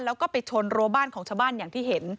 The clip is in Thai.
แล้วก็ไปชนรัวบ้านของชาวบ้านอย่างที่เห็น